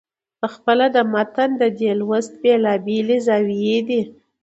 پخپله د متن د دې لوست بېلابېلې زاويې دي.